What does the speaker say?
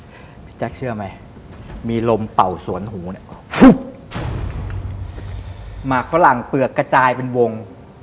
พี่แจ๊คเชื่อไหมมีลมเป่าสวนหูเนี่ยหมากฝรั่งเปลือกกระจายเป็นวง